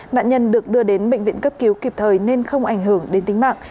nạn nhân được đưa đến bệnh viện cấp cứu kịp thời nên không ảnh hưởng đến tính mạng